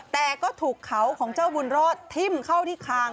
แต่ก็ถูกเขาของเจ้าบุญรอดทิ้มเข้าที่คาง